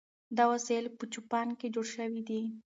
دا وسایل په جاپان کې جوړ شوي دي.